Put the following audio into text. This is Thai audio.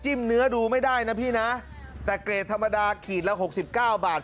เนื้อดูไม่ได้นะพี่นะแต่เกรดธรรมดาขีดละหกสิบเก้าบาท